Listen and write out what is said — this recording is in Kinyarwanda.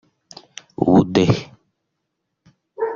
Ubudehe